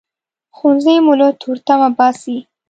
ښوونځی مو له تورتمه باسي